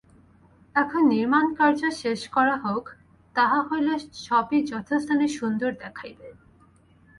এখন নির্মাণ-কার্য শেষ করা হউক, তাহা হইলে সবই যথাস্থানে সুন্দর দেখাইবে।